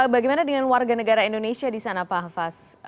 bagaimana dengan warga negara indonesia di sana pak hafaz